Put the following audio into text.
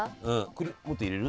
くりもっと入れる？